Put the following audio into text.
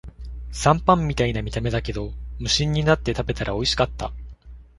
残飯みたいな見た目だけど、無心になって食べたらおいしかった